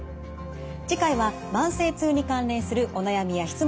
次回は慢性痛に関連するお悩みや質問にお答えします。